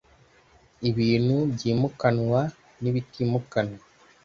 ibintu byimukanwa n ibitimukanwa